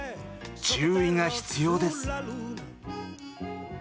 注意が必要です。